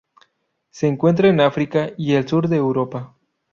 Se encuentra en África y el Sur de Europa.